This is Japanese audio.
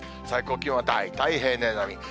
最高気温は大体平年並み。